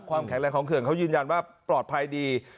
ความแข็งแรงของเขื่อนเขายืนยันว่าปลอดภัยดี